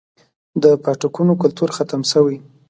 د پاټکونو کلتور ختم شوی